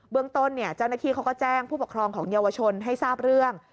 เรื่องต้นเจ้าหน้าที่เขาก็แจ้งผู้ปกครองของเยาวชนให้ทราบเรื่อง